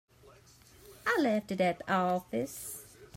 I left it at the office.